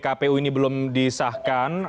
kpu ini belum disahkan